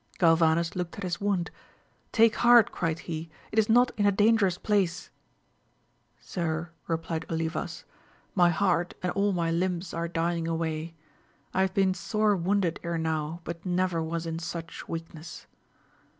Galvanes looked at his wound : Take heart, cried he, it is not in a dangerous place ! Sir, replied Olivas, my heart and all my limbs are djmg away ; I have been sore wounded ere now, but never was in such weakness.